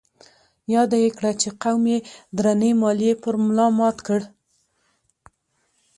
ياده يې کړه چې قوم يې درنې ماليې پر ملا مات کړ.